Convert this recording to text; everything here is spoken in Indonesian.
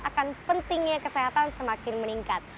akan pentingnya kesehatan semakin meningkat